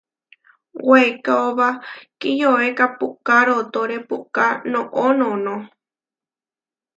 Weikáoba kiioyoéka puʼká rootóre puʼká noʼó noʼnó.